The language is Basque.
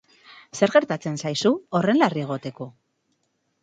Zer gertatzen zaizu, horren larri egoteko?